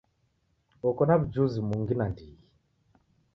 Oko na w'ujuzi mungi nandighi.